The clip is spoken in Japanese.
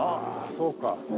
そうか。